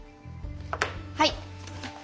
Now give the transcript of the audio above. はい。